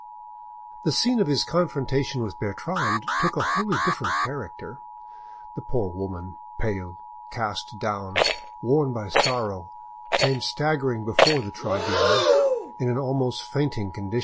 The scene of his confrontation with Bertrande took a wholly different character. The poor woman, pale, cast down, worn by sorrow, came staggering before the tribunal, in an almost fainting condition.